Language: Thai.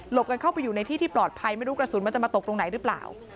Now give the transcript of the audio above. กันเข้าไปอยู่ในที่ที่ปลอดภัยไม่รู้กระสุนมันจะมาตกตรงไหนหรือเปล่า